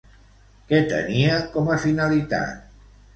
Què tenia com a finalitat?